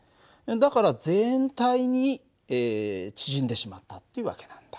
だから全体に縮んでしまったっていう訳なんだ。